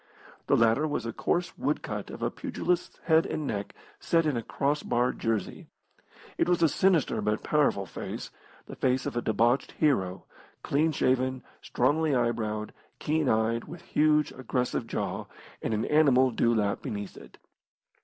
The latter was a coarse wood cut of a pugilist's head and neck set in a cross barred jersey. It was a sinister but powerful face, the face of a debauched hero, clean shaven, strongly eye browed, keen eyed, with huge, aggressive jaw, and an animal dewlap beneath it.